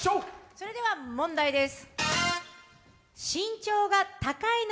それでは問題です。